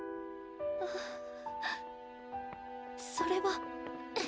あそれは。